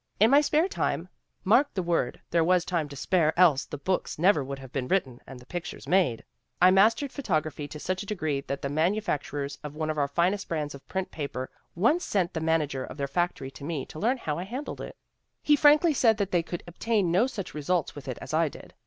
In my spare time (mark the word, there was time to spare else the books never would have been written and the pictures made) I mastered photography to such a degree that the manufacturers of one of our finest brands of print paper once sent the manager of their factory to me to learn how I handled it. He frankly said that they could obtain no such results with it as I did.